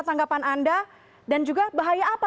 tanggapan anda dan juga bahaya apa